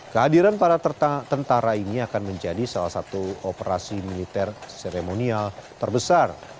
kehadiran para tentara ini akan menjadi salah satu operasi militer seremonial terbesar